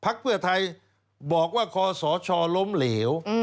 อ่ะภักดิ์เพื่อไทยบอกว่าคศล้มเหลว